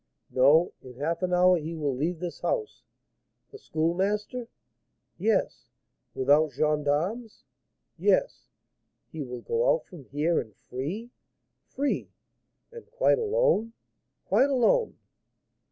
"No; in half an hour he will leave this house." "The Schoolmaster?" "Yes." "Without gens d'armes?" "Yes." "He will go out from here, and free?" "Free." "And quite alone?" "Quite alone."